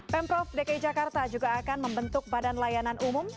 pemprov dki jakarta juga akan membentuk badan layanan umum